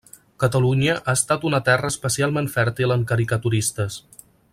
Catalunya ha estat una terra especialment fèrtil en caricaturistes.